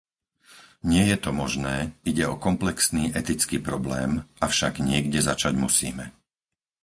Nie je to možné, ide o komplexný etický problém, avšak niekde začať musíme.